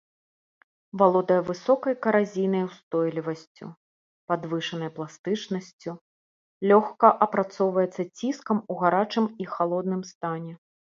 Валодае высокай каразійнай устойлівасцю, падвышанай пластычнасцю, лёгка апрацоўваецца ціскам ў гарачым і халодным стане.